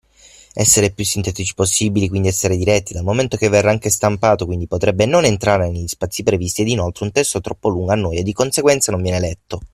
Essere più sintetici possibile, quindi essere diretti: dal momento che verrà anche stampato potrebbe non entrare negli spazi prevesti ed, inoltre, un testo troppo lungo annoia, di conseguenza non viene letto.